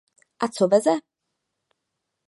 A co veze?